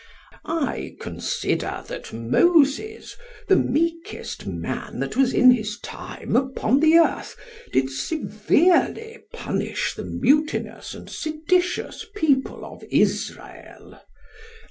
I consider that Moses, the meekest man that was in his time upon the earth, did severely punish the mutinous and seditious people of Israel.